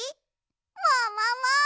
ももも！